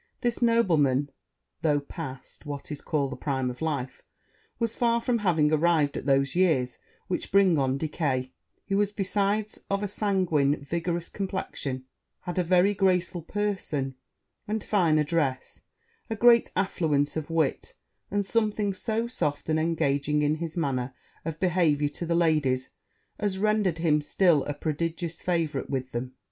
This nobleman, though past what is called the prime of life, was far from having arrived at those years which bring on decay; he was, besides, of a sanguine, vigorous complexion had a very graceful person a fine address a great affluence of wit and something so soft and engaging in his manner of behaviour to the ladies, as rendered him still a prodigious favourite with them.